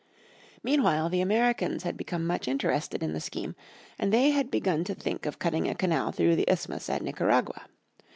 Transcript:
Meanwhile the Americans had become much interested in the scheme, and they had begun to think of cutting a canal through the isthmus at Nicaragua.